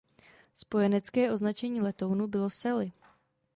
Spojenecké označení letounu bylo Sally.